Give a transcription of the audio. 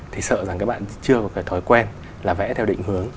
thì sợ rằng các bạn chưa có cái thói quen là vẽ theo định hướng